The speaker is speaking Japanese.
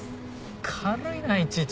軽いないちいち。